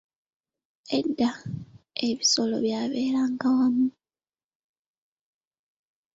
Edda, ebisolo byaberanga wamu.